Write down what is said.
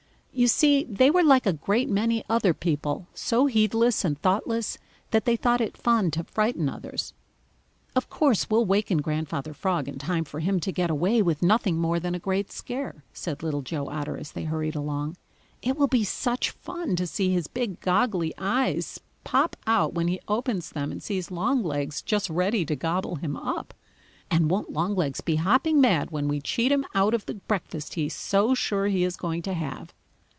You see, they were like a great many other people, so heedless and thoughtless that they thought it fun to frighten others. "Of course we'll waken Grandfather Frog in time for him to get away with nothing more than a great scare," said Little Joe Otter, as they hurried along. "It will be such fun to see his big goggly eyes pop out when he opens them and sees Longlegs just ready to gobble him up! And won't Longlegs be hopping mad when we cheat him out of the breakfast he is so sure he is going to have!"